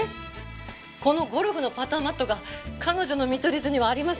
このゴルフのパターマットが彼女の見取り図にはありません。